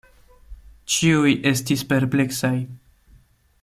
Ĉiuj estis perpleksaj.